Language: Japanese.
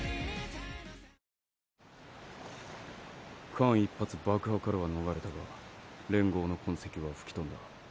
間一髪爆破からは逃れたが連合の痕跡は吹き飛んだ。